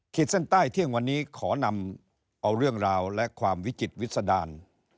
เส้นใต้เที่ยงวันนี้ขอนำเอาเรื่องราวและความวิจิตวิสดาล